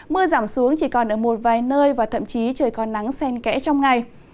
mưa giảm xuống chỉ còn ở một vài nơi và thậm chí trời còn nắng sen kẽ trong ngày